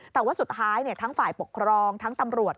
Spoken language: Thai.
แต่ว่าสุดท้ายทั้งฝ่ายปกครองทั้งตำรวจ